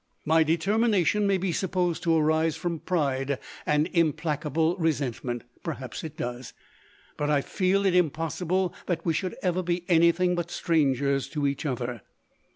My determination may be supposed to arise from pride and implacable resentment : perhaps it does, but I feel it im possible that we should ever be any thing but strangers to each other.